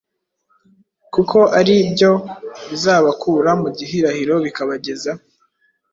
kuko ari byo bizabakura mu gihirahiro bikabageza